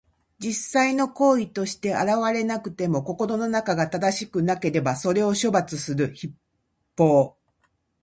実際の行為として現れなくても、心の中が正しくなければ、それを処罰する筆法。